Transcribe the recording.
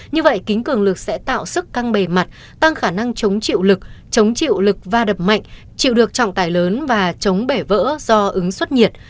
như vậy kính cường lực sẽ tạo sức căng bề mặt tăng khả năng chống chịu lực chống chịu lực va đập mạnh chịu được trọng tải lớn và chống bể vỡ do ứng suất nhiệt